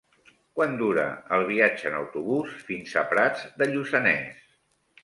Quant dura el viatge en autobús fins a Prats de Lluçanès?